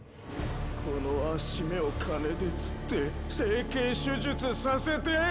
このあっしめを金でつって「整形手術」させて！